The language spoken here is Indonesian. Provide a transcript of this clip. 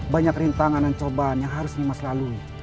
banyak rintangan dan cobaan yang harus dimas lalui